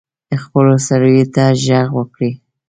خپلو سړیو ته ږغ وکړي.